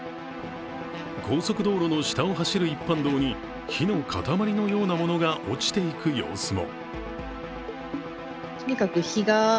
高速道路の下を走る一般道に火の塊のようなものが落ちていく様子も。